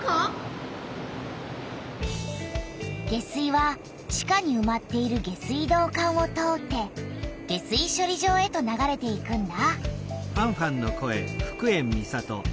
下水は地下にうまっている下水道管を通って下水しょり場へと流れていくんだ。